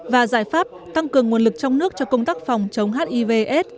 và giải pháp tăng cường nguồn lực trong nước cho công tác phòng chống hivs